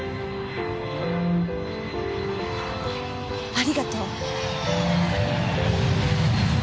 ありがとう。